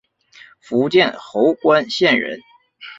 福建侯官县人。